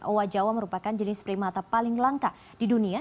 owa jawa merupakan jenis primata paling langka di dunia